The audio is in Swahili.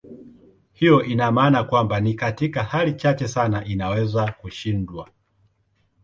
Hiyo ina maana kwamba ni katika hali chache sana inaweza kushindwa.